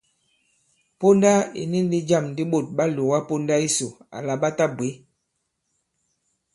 Ponda ì ni ndī jâm di ɓôt ɓa lòga ponda yisò àlà ɓa tabwě.